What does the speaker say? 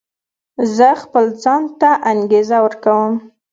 زه خپل ځان ته انګېزه ورکوم.